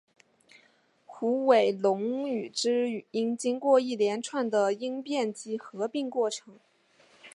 虎尾垄语之语音经过一连串的音变及合并过程。